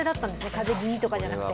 風邪気味とかじゃなくて。